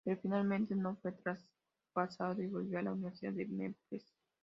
Pero finalmente no fue traspasado y volvió a la Universidad de Memphis.